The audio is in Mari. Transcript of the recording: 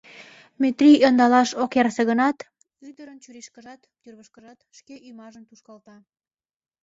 Метрий ӧндалаш ок ярсе гынат, ӱдырын чурийышкыжат, тӱрвышкыжат шке ӱмажым тушкалта.